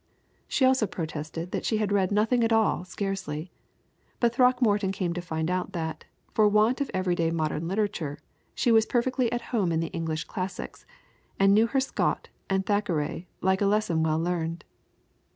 She also protested that she had read nothing at all scarcely; but Throckmorton came to find out that, for want of the every day modern literature, she was perfectly at home in the English classics, and knew her Scott and Thackeray like a lesson well learned.